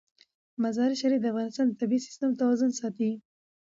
مزارشریف د افغانستان د طبعي سیسټم توازن ساتي.